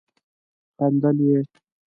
خندل يې.